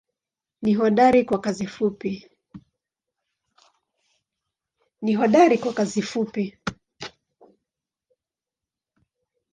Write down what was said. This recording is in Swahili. Ni hodari kwa kazi fupi.